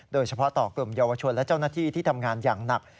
โดยเฉพาะต่อกลุ่มเยาวชนและเจ้าหน้าที่ที่ทำงานอย่างหนัก